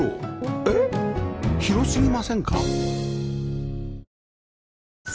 えっ広すぎませんか？